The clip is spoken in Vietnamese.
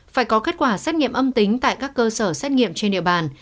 phải có kết quả xét nghiệm âm tính tại các cơ sở xét nghiệm trên địa bàn